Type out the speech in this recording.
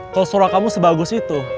kalau suara kamu sebagus itu